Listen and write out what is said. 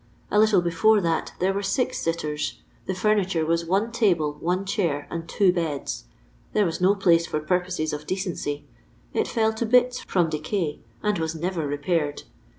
A little be fore that there were aix aitters. The furniture waa one table, one chair, and two beda. There waa no place for purposes of decency : it fell to bits from decay, and was never repaired.